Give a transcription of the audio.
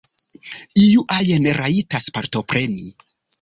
Iu ajn rajtas partopreni.